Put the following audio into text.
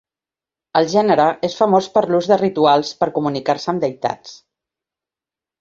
El gènere és famós per l'ús de rituals per comunicar-se amb deïtats.